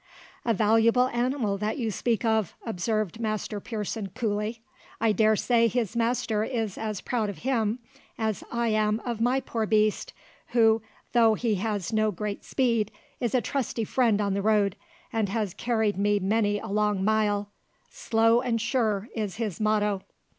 "A valuable animal that you speak of," observed Master Pearson coolly. "I dare say his master is as proud of him as I am of my poor beast, who, though he has no great speed, is a trusty friend on the road, and has carried me many a long mile. `Slow and sure' is his motto."